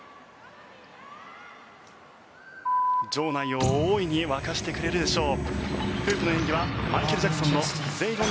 場内を大いに沸かしてくれるでしょう。